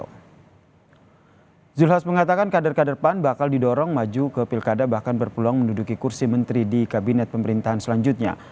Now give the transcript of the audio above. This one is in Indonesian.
zulkifli hasan mengatakan kader kader pan bakal didorong maju ke pilkada bahkan berpeluang menduduki kursi menteri di kabinet pemerintahan selanjutnya